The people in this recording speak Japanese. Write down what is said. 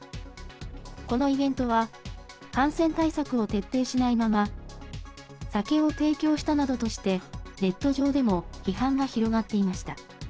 このイベントは、感染対策を徹底しないまま、酒を提供したなどとして、ネット上でも批判が広がっていました。